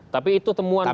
tapi itu temuan pak